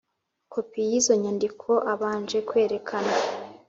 kopi y izo nyandiko abanje kwerekana